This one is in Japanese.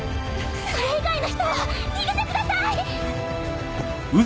それ以外の人は逃げてください！